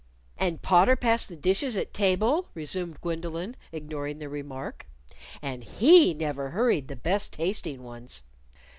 " And Potter passed the dishes at table," resumed Gwendolyn, ignoring the remark; "and he never hurried the best tasting ones."